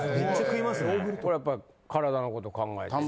これやっぱカラダのこと考えて。